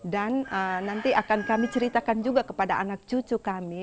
dan nanti akan kami ceritakan juga kepada anak cucu kami